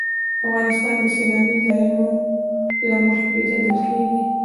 افغانستان د سیلانی ځایونه له مخې پېژندل کېږي.